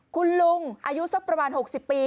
คุณลุงอายุสักประมาณ๖๐ปี